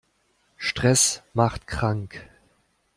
Stress macht krank.